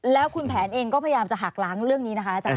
แล้วคุณแผนเองก็พยายามจะหักล้างเรื่องนี้นะคะอาจารย